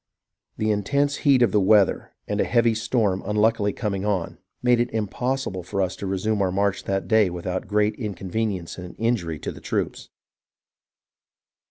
The intense heat of the weather and a heavy storm unluckily coming on, made it impos sible for us to resume our march that day without great incon venience and injury to the troops.